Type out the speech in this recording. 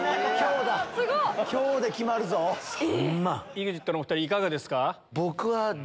ＥＸＩＴのお２人いかがですか？